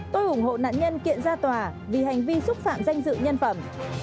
tôi ủng hộ nạn nhân kiện ra tòa vì hành vi xúc phạm danh dự nhân phẩm